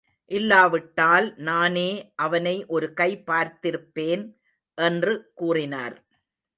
இல்லாவிட்டால் நானே அவனை ஒரு கை பார்த்திருப்பேன் என்று கூறினார்.